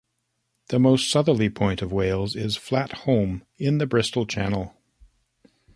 The most southerly point of Wales is Flat Holm in the Bristol Channel.